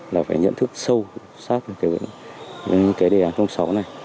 là phải nhận thức sâu sát về cái đề án sáu này